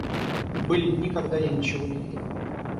Были дни, когда я ничего не ел.